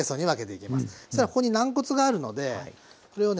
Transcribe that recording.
そしたらここに軟骨があるのでこれをね